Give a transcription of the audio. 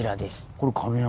これ亀山？